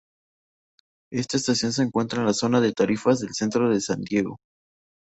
Esta estación se encuentra en la zona de tarifas del centro de San Diego.